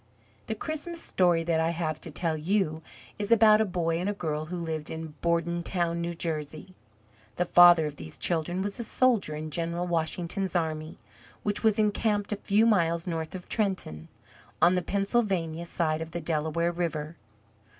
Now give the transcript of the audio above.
The Christmas story that I have to tell you is about a boy and girl who lived in Bordentown, New Jersey. The father of these children was a soldier in General Washington's army, which was encamped a few miles north of Trenton, on the Pennsylvania side of the Delaware River.